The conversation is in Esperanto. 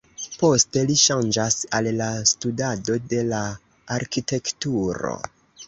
Poste li ŝanĝas al la studado de la Arkitekturo.